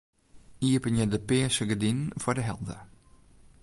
Iepenje de pearse gerdinen foar de helte.